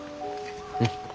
うん。